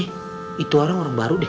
itu orang orang baru deh